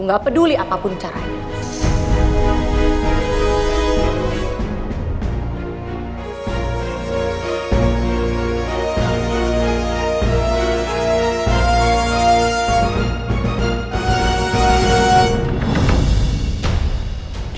gak peduli apapun caranya